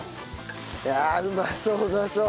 いやうまそううまそう！